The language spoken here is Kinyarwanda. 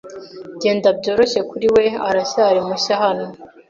Genda byoroshye kuri we. Aracyari mushya hano.